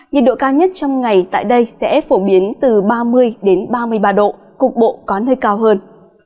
nhiệt độ cao nhất trong ngày tại đây sẽ phổ biến từ ba mươi ba mươi ba độ cục bộ có nơi cao hơn